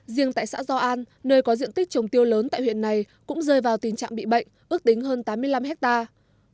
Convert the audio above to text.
riêng tại xã do an nơi có diện tích trồng tiêu lớn tại huyện này cũng rơi vào tình trạng bị bệnh ước tính hơn tám mươi năm hectare